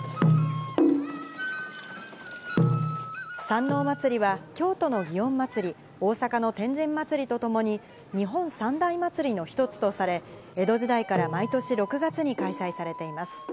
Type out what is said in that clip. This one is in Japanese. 山王祭は、京都の祇園祭、大阪の天神祭とともに、日本三大祭の一つとされ、江戸時代から毎年６月に開催されています。